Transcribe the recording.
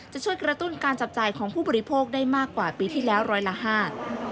จะช่วยกระตุ้นการจับจ่ายของผู้บริโภคได้มากกว่าปีที่แล้วร้อยละห้า